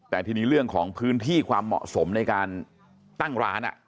แต่ทีนี้เรื่องของพื้นที่ความเหมาะสมในการตั้งร้าน